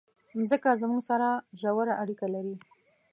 مځکه زموږ سره ژوره اړیکه لري.